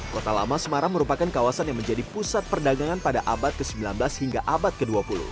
kota lama semarang merupakan kawasan yang menjadi pusat perdagangan pada abad ke sembilan belas hingga abad ke dua puluh